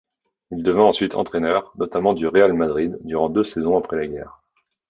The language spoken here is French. Il devint ensuite entraîneur, notamment du Real Madrid durant deux saisons après la guerre.